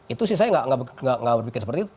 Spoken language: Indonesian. itu sih saya gak berpikat seperti itu